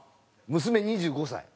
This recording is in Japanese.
娘２５歳。